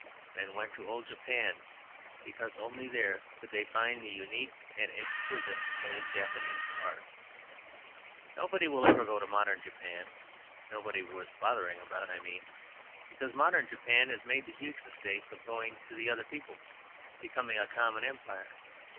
Men went to old Japan because only there could they find the unique and exquisite old Japanese art. Nobody will ever go to modern Japan (nobody worth bothering about, I mean), because modern Japan has made the huge mistake of going to the other people: becoming a common empire.